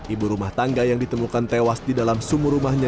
ibu rumah tangga yang ditemukan tewas di dalam sumur rumahnya